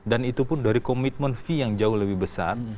dan itu pun dari komitmen fee yang jauh lebih besar